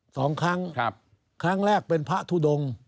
สองครั้งครับครั้งแรกเป็นพระทุดง